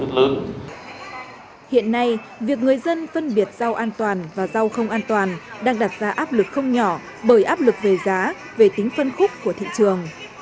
hiện nay việc người dân phân biệt rau an toàn và rau không an toàn đang đặt ra áp lực không nhỏ bởi áp lực về giá về tính phân khúc của thị trường